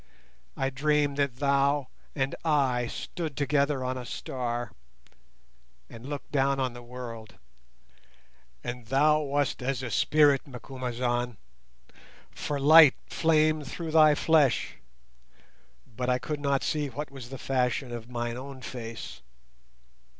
I dreamed that thou and I stood together on a star, and looked down on the world, and thou wast as a spirit, Macumazahn, for light flamed through thy flesh, but I could not see what was the fashion of mine own face.